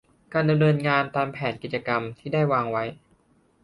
การดำเนินงานตามแผนกิจกรรมที่ได้วางไว้